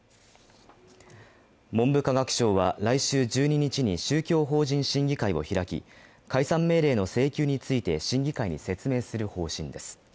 文部科学省は来週１２日に宗教法人審議会を開き解散命令の請求について審議会に説明する方針です。